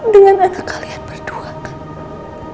dengan kata kalian berdua kan